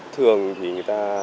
thường thì người ta